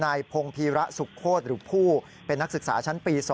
นายพงภีระสุโคตรหรือผู้เป็นนักศึกษาชั้นปี๒